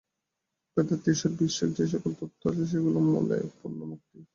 বেদান্তে ঈশ্বরবিষয়ক যে-সকল তত্ত্ব আছে, সেগুলির মূলে পূর্ণ মুক্তি।